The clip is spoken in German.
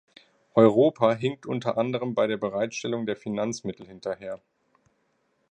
Europa hinkt unter anderem bei der Bereitstellung der Finanzmittel hinterher.